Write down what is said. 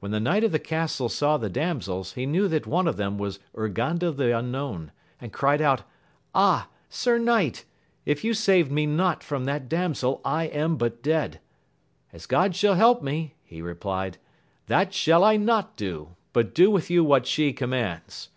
when the knight of the castle saw the damsels, he knew that one of them was Urganda the unknown ; aad cried out. Ah ! Sir knight, if you save me not from that damsel I am but dead ! As God shall help me^ he replied, that shall I not do, but do with you what she commands.